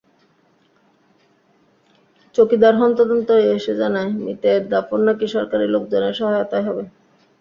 চৌকিদার হন্তদন্ত হয়ে এসে জানায়, মৃতের দাফন নাকি সরকারি লোকজনের সহায়তায় হবে।